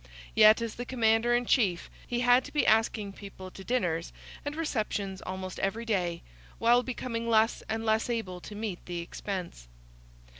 Yet, as the commander in chief, he had to be asking people to dinners and receptions almost every day, while becoming less and less able to meet the expense.